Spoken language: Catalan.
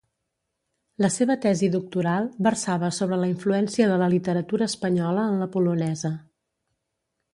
La seva tesi doctoral versava sobre la influència de la literatura espanyola en la polonesa.